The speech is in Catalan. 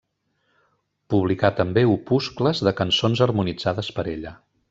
Publicà també opuscles de cançons harmonitzades per ella.